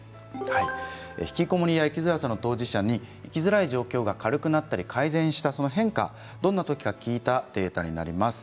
ひきこもりや、生きづらさの当事者に生きづらい状況が軽くなったり改善したその変化がどういう時か聞いたデータです。